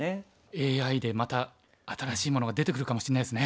ＡＩでまた新しいものが出てくるかもしれないですね。